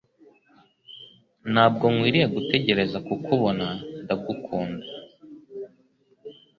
Ntabwo nkwiriye gutegereza kukubona ndagukunda